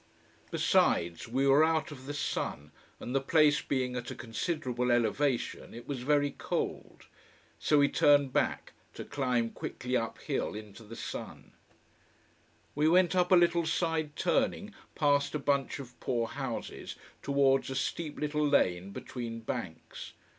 Besides, we were out of the sun, and the place being at a considerable elevation, it was very cold. So we turned back, to climb quickly uphill into the sun. We went up a little side turning past a bunch of poor houses towards a steep little lane between banks.